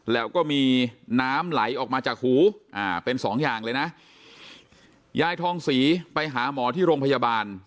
แล้วก็มีน้ำไหลออกมาจากหูอ่าเป็นสองอย่างเลยนะยายทองศรีไปหาหมอที่โรงพยาบาล